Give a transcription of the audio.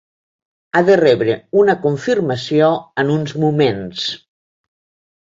Ha de rebre una confirmació en uns moments.